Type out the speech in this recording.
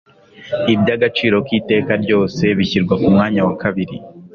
Ibyagaciro kiteka ryose bishyirwa ku mwanya wa kabiri